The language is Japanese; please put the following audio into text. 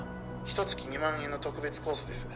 ☎ひと月２万円の特別コースです